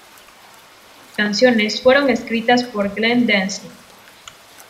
Todas las canciones fueron escritas por Glenn Danzig.